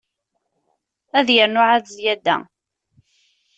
Ad yernu ɛad zyada.